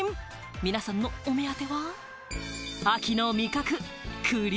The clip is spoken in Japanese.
皆さんのお目当ては、秋の味覚・栗。